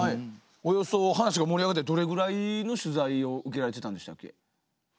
およそ話が盛り上がってどれぐらいに取材を受けられてたんでしたっけ？